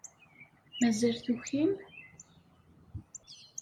Mazal tukim?